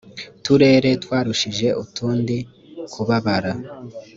turere twarushije utundi kubabara